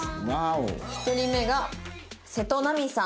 １人目が瀬戸なみさん。